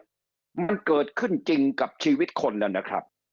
มันเกิดขึ้นจริงกับชีวิตคนแล้วนะครับ